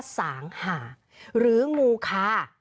สางหาหรืองูคา